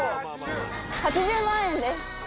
８０万円です。